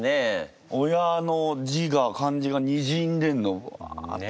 親の字が漢字がにじんでんのぶわって。